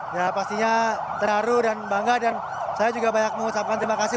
ya pastinya terharu dan bangga dan saya juga banyak mengucapkan terima kasih